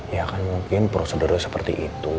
ya kan mungkin prosedurnya seperti itu